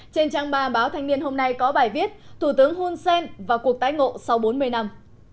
trên trang ba báo thanh niên hôm nay có bài viết thủ tướng hun sen vào cuộc tái ngộ sau bốn mươi năm